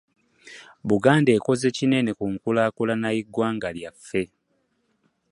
Buganda ekoze kinene ku nkulakulana y'eggwanga lyaffe.